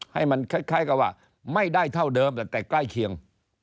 ให้มันคล้ายกับว่าไม่ได้เท่าเดิมแต่ใกล้เคียง